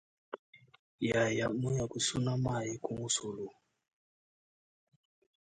Yaya muya kusuna mayi ku musulu.